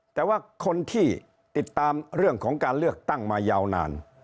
แต่ว่าคนที่ติดตามเรื่องของการเลือกตั้งมายาวนาน